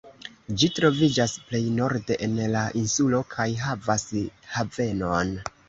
Ĝi troviĝas plej norde en la insulo kaj havas havenon.